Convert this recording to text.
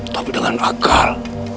tapi dengan akal